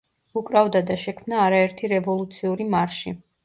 უკრავდა და შექმნა არაერთი რევოლუციური მარში.